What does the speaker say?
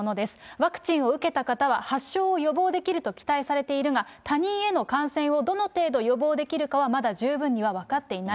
ワクチンを受けた方は発症を予防できると期待されているが、他人への感染をどの程度予防できるかは、まだ十分には分かっていない。